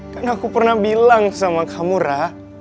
dan aku pernah bilang sama kamu ra